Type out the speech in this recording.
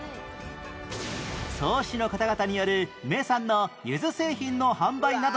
曽於市の方々による名産のゆず製品の販売などのおもてなしが